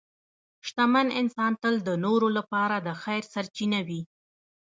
شتمن انسان تل د نورو لپاره د خیر سرچینه وي.